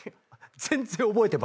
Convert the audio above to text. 全然覚えてますよ。